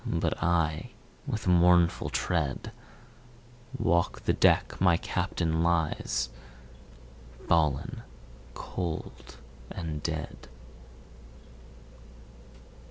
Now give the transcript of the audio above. But I, with mournful tread, Walk the deck my Captain lies, Fallen cold and dead.